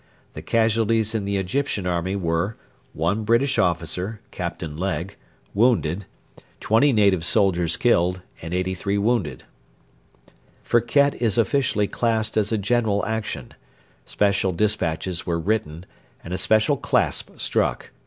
The casualties in the Egyptian army were 1 British officer Captain Legge wounded, 20 native soldiers killed and 83 wounded. Firket is officially classed as a general action: special despatches were written, and a special clasp struck.